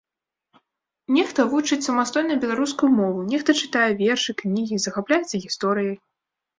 Нехта вучыць самастойна беларускую мову, нехта чытае вершы, кнігі, захапляецца гісторыяй.